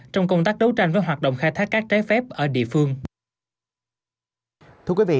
trong công tác đấu tranh với hoạt động khai thác cát trái phép ở địa phương